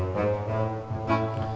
gak usah dijagain